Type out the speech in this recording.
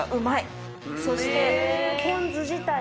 そして。